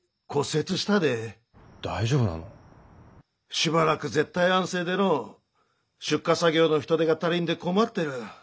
しばらく絶対安静でのう出荷作業の人手が足りんで困ってる。